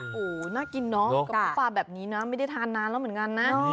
โหน่ากินน้องกับป้าแบบนี้นะไม่ได้ทานนานแล้วเหมือนกันนะ